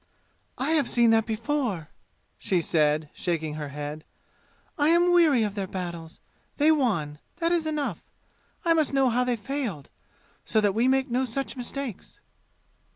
"I have seen that before," she said, shaking her, head. "I am weary of their battles. They won; that is enough! I must know how they failed, so that we make no such mistakes!"